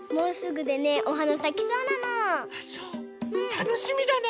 たのしみだね。